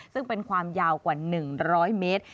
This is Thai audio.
ซึ่งเป็นความยาวกว่า๑๐๐เมตร